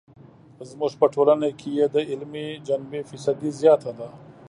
زموږ په ټولنه کې یې د عملي جنبې فیصدي زیاته ده.